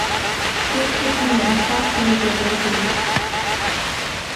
کوږ فکر له انصاف سره جګړه کوي